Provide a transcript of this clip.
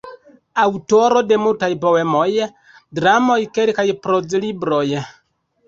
Aŭtoro de multaj poemoj, dramoj, kelkaj proz-libroj.